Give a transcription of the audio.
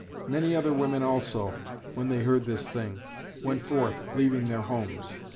Many other women also, when they heard this thing, went forth, leaving their homes.